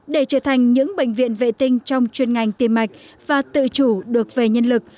để trở thành những bệnh viện vệ tinh trong chuyên ngành tiêm mạch và tự chủ được về nhân lực